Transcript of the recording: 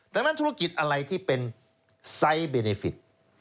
ดังนั้นธุรกิจอะไรที่เป็นไซส์เบเนฟิต